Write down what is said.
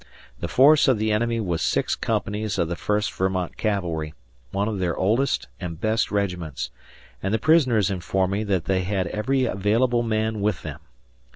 The force of the enemy was six companies of the First Vermont Cavalry, one of their oldest and best regiments, and the prisoners inform me that they had every available man with them.